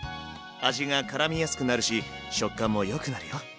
味がからみやすくなるし食感もよくなるよ。